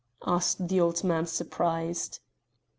asked the old man surprised.